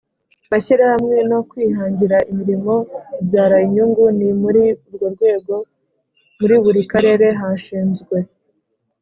mashyirahamwe no kwihangira imirimo ibyara inyungu Ni muri urwo rwego muri buri karere hashinzwe